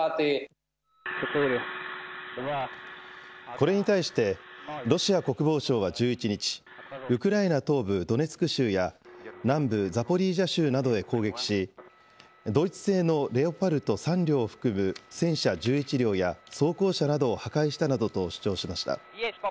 これに対して、ロシア国防省は１１日、ウクライナ東部ドネツク州や、南部ザポリージャ州などへ攻撃し、ドイツ製のレオパルト３両を含む戦車１１両や装甲車などを破壊したなどと主張しました。